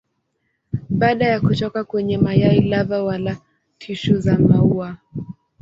Baada ya kutoka kwenye mayai lava wala tishu za maua.